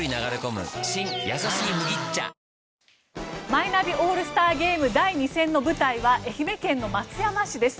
マイナビオールスターゲーム第２戦の舞台は愛媛県の松山市です。